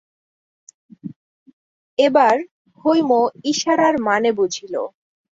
এবার হৈম ইশারার মানে বুঝিল।